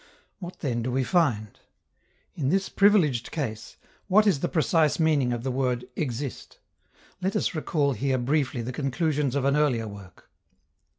What, then, do we find? In this privileged case, what is the precise meaning of the word "exist"? Let us recall here briefly the conclusions of an earlier work.